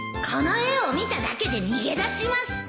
この絵を見ただけで逃げ出します